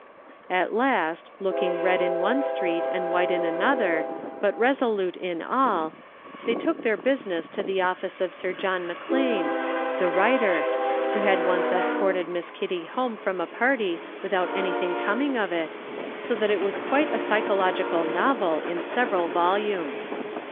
At last, looking red in one street, and white in another, but resolute in all, they took their business to the office of Mr. John McLean, the writer, who had once escorted Miss Kitty home from a party without anything coming of it, so that it was quite a psychological novel in several volumes.